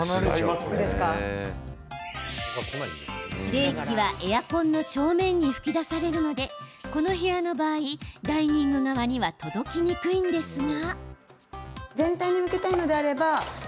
冷気はエアコンの正面に吹き出されるのでこの部屋の場合ダイニング側には届きにくいんですが。